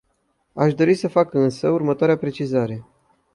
Aș dori să fac însă următoarea precizare.